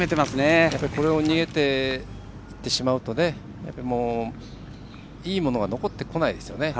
これを逃げていってしまうといいものが残ってこないですよね。